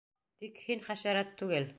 Тик һин хәшәрәт түгел.